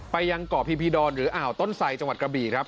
ไปยังเกาะพีพีดอนหรืออ่าวต้นไสจังหวัดกระบี่ครับ